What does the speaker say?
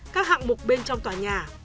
các hạng mục bên trong tòa nhà